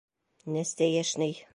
Нәстәйәшней!